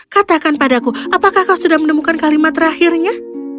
katakan padaku apakah kau sudah menemukan kalimat terakhirnya